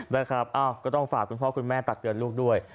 นะครับก็ต้องฝากคุณพ่อคุณแม่ตักเตือนลูกด้วย